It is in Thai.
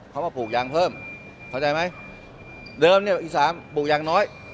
เขามาปลูกยางเพิ่มเข้าใจไหมเดิมเนี่ยอีสานปลูกยางน้อย